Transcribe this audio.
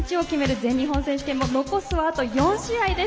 全日本選手権も残すは、あと４試合です。